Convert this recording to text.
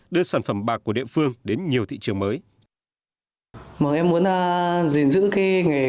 đưa sản phẩm bạc của địa phương đến nhiều thị trường mới